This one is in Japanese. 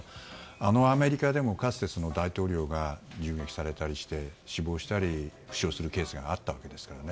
あのアメリカでもかつては大統領が銃撃されたりして死亡したり負傷するケースがあったわけですから。